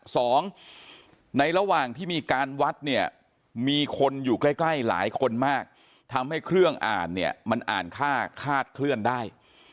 สองในระหว่างที่มีการวัดเนี่ยมีคนอยู่ใกล้ใกล้หลายคนมากทำให้เครื่องอ่านเนี่ยมันอ่านค่าคาดเคลื่อนได้